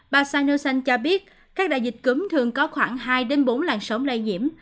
bà sanosan cho biết các đại dịch cúm thường có khoảng hai bốn làn sóng lây nhiễm